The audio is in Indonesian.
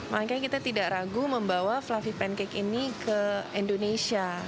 makanya kita tidak ragu membawa fluffy pancake ini ke indonesia